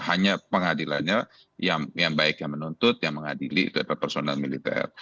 hanya pengadilannya yang baik yang menuntut yang mengadili itu adalah personal militer